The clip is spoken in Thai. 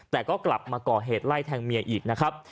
แต่ก็กลับมาก่อเหตุไล่แทงเมียอีกนะครับ